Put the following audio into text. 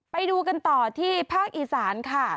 ไปดูกันต่อที่ภาคอีสานค่ะ